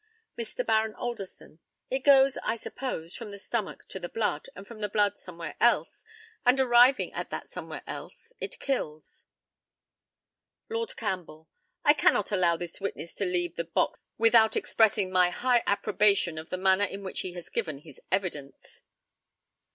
Mr. Baron ALDERSON: It goes, I suppose, from the stomach to the blood, and from the blood somewhere else, and, arriving at that somewhere else, it kills. Lord CAMPBELL: I cannot allow this witness to leave the box without expressing my high approbation of the manner in which he has given his evidence.